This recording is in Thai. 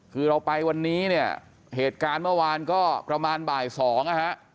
คือเราไปวันนี้เนี่ยเหตุการณ์เมื่อวานก็ประมาณบ่ายสองนะฮะ